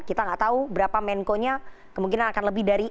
kita nggak tahu berapa menko nya kemungkinan akan lebih dari